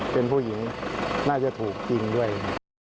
เป็นผู้หญิงน่าจะถูกยิงด้วย